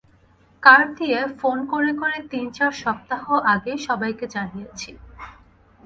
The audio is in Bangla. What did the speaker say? কার্ড দিয়ে, ফোন করে করে তিন চার সপ্তাহ আগেই সবাইকে জানিয়েছি।